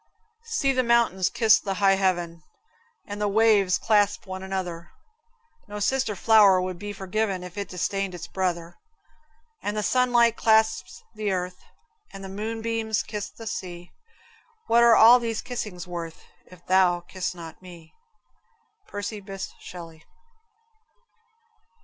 See the mountains kiss high heaven, And the waves clasp one another; No sister flower would be forgiven If it disdained its brother; And the sunlight clasps the earth, And the moonbeams kiss the sea; What are all these kissings worth, If thou kiss not me? Percy Bysshe Shelley.